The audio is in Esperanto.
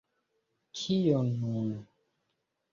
Kio nun?